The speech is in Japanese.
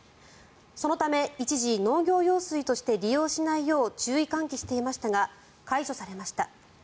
そのため、一時農業用水として利用しないよう注意喚起していましたが解除されました。